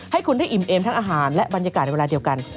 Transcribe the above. ให้คุณได้อิ่มเอมทั้งอาหารและบรรยากาศในเวลาเดียวกัน